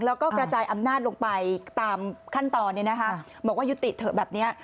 แล้วก็กระจายอำนาจลงไปตามขั้นตอนบอกว่ายุติเถอะแบบนี้